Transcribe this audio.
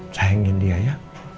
sayangin dia ya